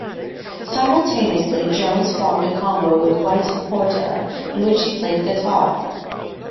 Simultaneously, Jones formed a combo with White and Porter, in which he played guitar.